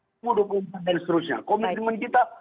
semua dokumen dan seterusnya komitmen kita